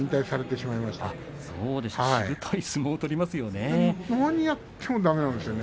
しぶとい相撲を取りますよね。